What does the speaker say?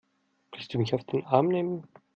Willst du mich auf den Arm nehmen?